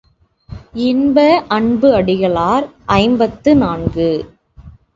இன்ப அன்பு அடிகளார் ஐம்பத்து நான்கு.